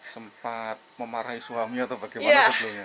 sempat memarahi suami atau bagaimana sebelumnya